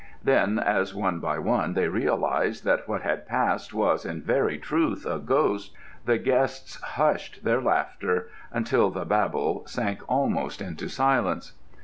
Then, as one by one they realised that what had passed was in very truth a ghost, the guests hushed their laughter, until the babel sank almost into silence.